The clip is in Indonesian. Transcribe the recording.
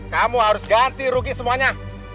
kamu harus ganti rugi semuanya